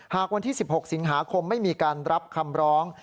หากวันที่๑๖สิงหาคมไม่มีการรับคำร้อง